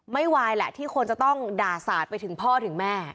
ไม่ไหวแหละที่คนจะต้องด่าสาดไปถึงพ่อถึงแม่